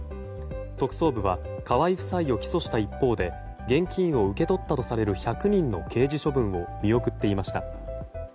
特捜部は河井夫妻を起訴した一方で現金を受け取ったとされる１００人の刑事処分を見送っていました。